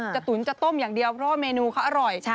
ตุ๋นจะต้มอย่างเดียวเพราะว่าเมนูเขาอร่อย